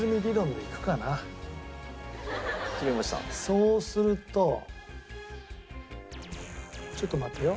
そうするとちょっと待ってよ。